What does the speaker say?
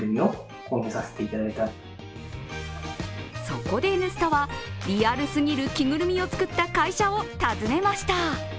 そこで「Ｎスタ」は、リアルすぎる着ぐるみを作った会社を訪ねました。